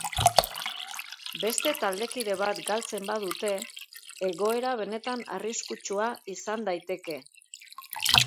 Beste taldekide bat galtzen badute, egoera benetan arriskutsua izan daiteke.